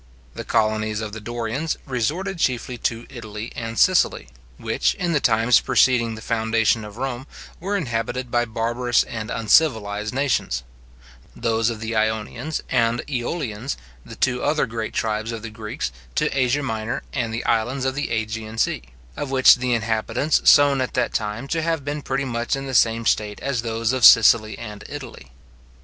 The colonies of the Dorians resorted chiefly to Italy and Sicily, which, in the times preceding the foundation of Rome, were inhabited by barbarous and uncivilized nations; those of the Ionians and Aeolians, the two other great tribes of the Greeks, to Asia Minor and the islands of the Aegean sea, of which the inhabitants sewn at that time to have been pretty much in the same state as those of Sicily and Italy.